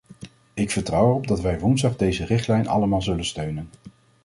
Ik vertrouw erop dat wij woensdag deze richtlijn allemaal zullen steunen.